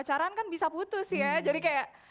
pacaran kan bisa putus ya jadi kayak